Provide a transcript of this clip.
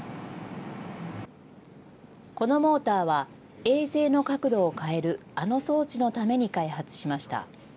このモーターは、衛星の角度を変えるあの装置のために開発しました。